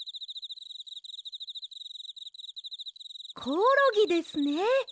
コオロギですね。